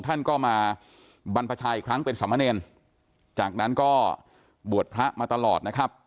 ท่านก็มาบรรพชาอีกครั้งเป็นสมเนรจากนั้นก็บวชพระมาตลอดนะครับ